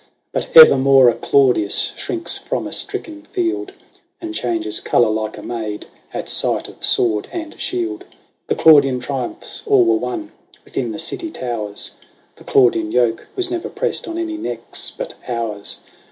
But evermore a Claudius shrinks from a stricken field. And changes colour like a maid at sight of sword and shield. The Claudian triumphs all were won within the city towers ; The Claudian yoke was never pressed on any necks but ours.